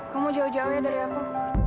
kamu jauh jauh ya dari aku